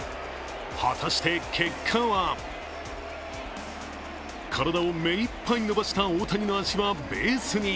果たして結果は体を目いっぱい伸ばした大谷の足はベースに。